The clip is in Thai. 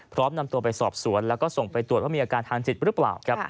พร้อมนำตัวไปสอบสวนแล้วก็ส่งไปตรวจว่ามีอาการทางจิตหรือเปล่า